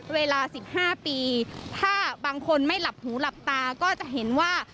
เวลา๑๕ปีถ้าบางคนไม่หลับหูหลับตาก็จะเห็นว่า